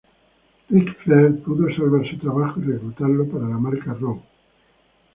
Ric Flair pudo salvar su trabajo y reclutarlo para la marca Raw.